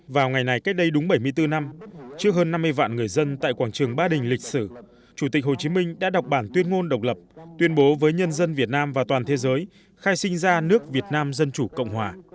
vào ngày này cách đây đúng bảy mươi bốn năm trước hơn năm mươi vạn người dân tại quảng trường ba đình lịch sử chủ tịch hồ chí minh đã đọc bản tuyên ngôn độc lập tuyên bố với nhân dân việt nam và toàn thế giới khai sinh ra nước việt nam dân chủ cộng hòa